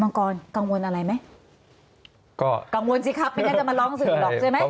กรกังวลอะไรไหมก็กังวลสิครับไม่น่าจะมาร้องสื่อหรอกใช่ไหม